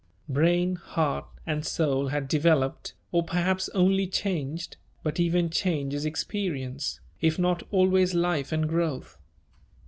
Brain, heart, and soul had developed, or perhaps only changed, but even change is experience, if not always life and growth.